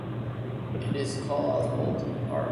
It is called Holden Park.